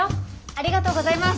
ありがとうございます。